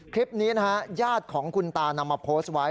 คลิปนี้นะฮะญาติของคุณตานำมาโพสต์ไว้